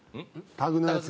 タグのやつ。